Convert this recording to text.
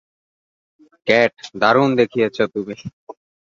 Cat, দারুণ দেখিয়েছ তুমি!